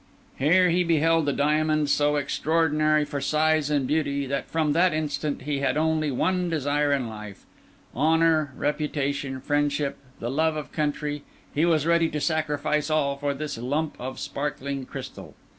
Here he beheld a diamond so extraordinary for size and beauty that from that instant he had only one desire in life: honour, reputation, friendship, the love of country, he was ready to sacrifice all for this lump of sparkling crystal.